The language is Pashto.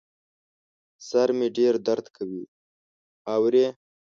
سر مي ډېر درد کوي ، اورې ؟